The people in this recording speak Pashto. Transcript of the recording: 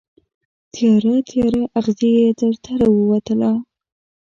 تیاره، تیاره اغزې یې تر تلو ووتله